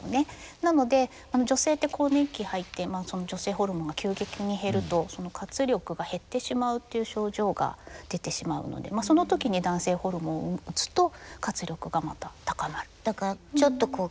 なので女性って更年期に入って女性ホルモンが急激に減ると活力が減ってしまうという症状が出てしまうのでその時に男性ホルモンを打つと活力がまた高まる。